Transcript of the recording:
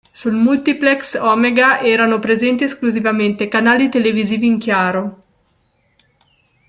Sul multiplex Omega erano presenti esclusivamente canali televisivi in chiaro.